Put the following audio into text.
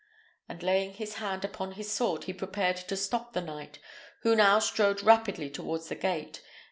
and laying his hand upon his sword, he prepared to stop the knight, who now strode rapidly towards the gate.